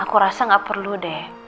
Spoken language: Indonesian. aku rasa gak perlu deh